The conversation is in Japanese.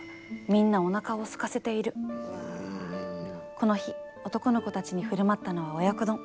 この日男の子たちに振る舞ったのは親子丼。